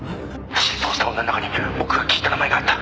失踪した女の中に僕が聞いた名前があった。